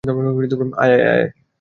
আয়, আয়!